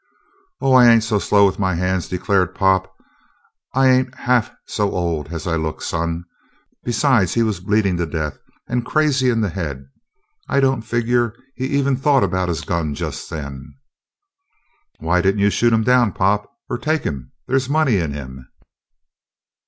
"Oh, I ain't so slow with my hands," declared Pop. "I ain't half so old as I look, son! Besides, he was bleedin' to death and crazy in the head. I don't figure he even thought about his gun just then." "Why didn't you shoot him down, Pop? Or take him? There's money in him."